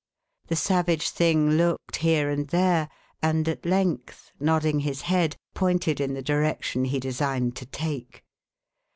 The savage thing looked here and there, and at length, nodding his head, pointed in the direction he designed to take.